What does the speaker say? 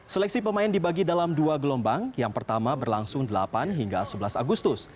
seleksi pemain dibagi dalam dua gelombang yang pertama berlangsung delapan hingga sebelas agustus